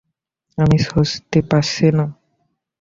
আমি স্বস্তি পাচ্ছি না।